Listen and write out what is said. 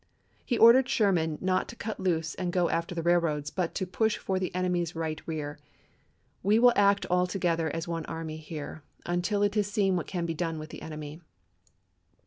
He ordered Sheridan not to cut loose and go after the railroads, but to push for the enemy's right rear. "We will act all together as one army here, until it is seen what can be done with the enemy."